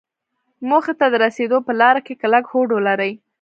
موخې ته د رسېدو په لاره کې کلک هوډ ولري.